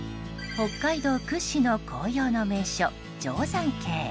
北海道屈指の紅葉の名所定山渓。